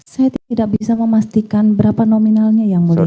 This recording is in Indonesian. saya tidak bisa memastikan berapa nominalnya yang mulia